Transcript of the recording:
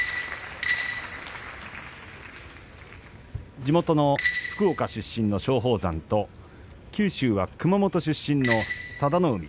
地元の福岡出身の松鳳山と九州は熊本出身の佐田の海